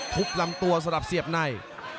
ทุบลำตัวสำหรับเสียบใน